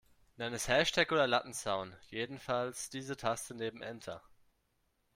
Nenn es Hashtag oder Lattenzaun, jedenfalls diese Taste neben Enter.